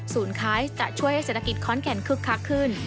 ศูนย์ค้ายจะช่วยให้เศรษฐกิจคอนแกนคึกคักขึ้น